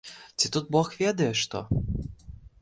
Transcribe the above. Ці тут бог ведае што?!.